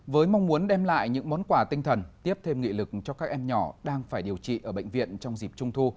với mong muốn đem lại những món quà tinh thần tiếp thêm nghị lực cho các em nhỏ đang phải điều trị ở bệnh viện trong dịp trung thu